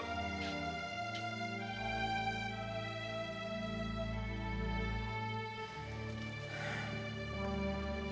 sementara rumah kita masih disegat sama polisi